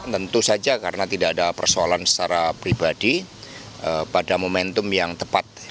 tentu saja karena tidak ada persoalan secara pribadi pada momentum yang tepat